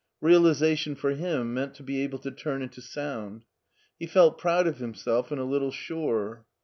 Realization for him meant to be able to turn into sound He felt proud of himself and a little sure.